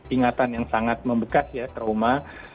ingatan yang sangat membekas ya trauma